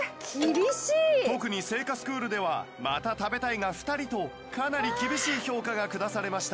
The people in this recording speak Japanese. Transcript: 特に製菓スクールでは「また食べたい」が２人とかなり厳しい評価が下されました